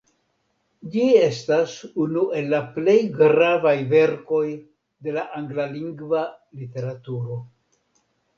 Ĝi estas unu el la plej gravaj verkoj de la anglalingva literaturo.